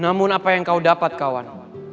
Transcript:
namun apa yang kau dapat kawan